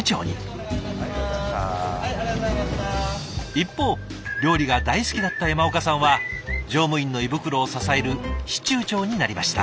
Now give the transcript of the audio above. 一方料理が大好きだった山岡さんは乗務員の胃袋を支える司厨長になりました。